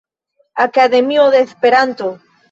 Akademio de Esperanto.